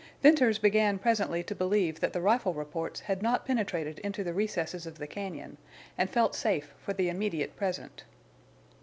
Venters began presently to believe that the rifle reports had not penetrated into the recesses of the cañon, and felt safe for the immediate present.